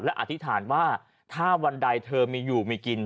และอธิษฐานว่าถ้าวันใดเธอมีอยู่มีกิน